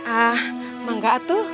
ah mau enggak atuh